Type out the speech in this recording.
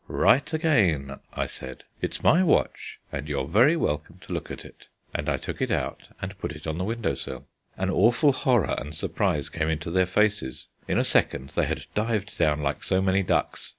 "Right again," I said; "it's my watch, and you're very welcome to look at it." And I took it out and put it on the window sill. An awful horror and surprise came into their faces. In a second they had dived down like so many ducks.